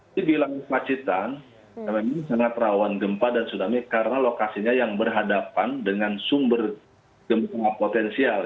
dibilang pacitan memang sangat rawan gempa dan tsunami karena lokasinya yang berhadapan dengan sumber gempa potensial